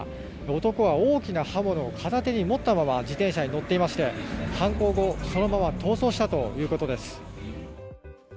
男は大きな刃物を片手に持ったまま自転車に乗っていまして犯行後、そのまま逃走したということです。